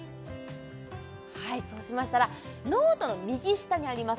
はいそうしましたらノートの右下にあります